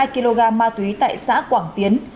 hai kg ma túy tại xã quảng tiến